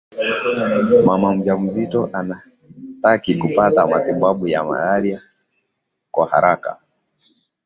mama mjamzito anataki kupata matibabu ya malaria kwa haraka